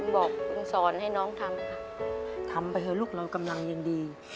บอกมึงสอนให้น้องทำค่ะทำไปเถอะลูกเรากำลังยินดี